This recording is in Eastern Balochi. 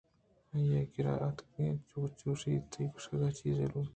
آئی ءِ کِرّا اتک کہ چُکّ ءَ گوٛشت من تئی گوش ءَ چیزے ہلوت کنگ لوٹاں